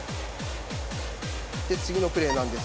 次のプレーです。